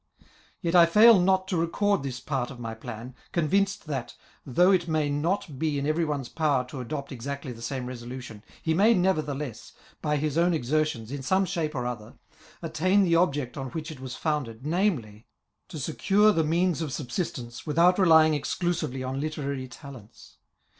Yet I fail not to record this part of my plan, convinced that, though it ihay not be in every one*s power to adopt exactly the saihe resolution, he may nevertheless, by his own exertions, in some shape or other, attain the object on which it was foimded, namely, to secure the means of subsistence, without relying exclusively on literary ta lents.